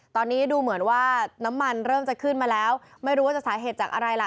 ตอนนี้ดูเหมือนว่าน้ำมันเริ่มจะขึ้นมาแล้วไม่รู้ว่าจะสาเหตุจากอะไรล่ะ